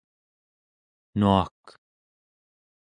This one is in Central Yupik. nuak